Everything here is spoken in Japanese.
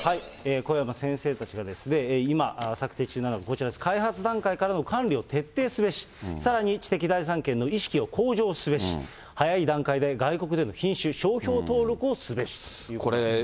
小山先生たちが今、作成中なのがこちらです、開発段階からの管理を徹底すべし、さらに知的財産権の意識を向上すべし、早い段階で外国での品種・商標登録をすべしということなんです。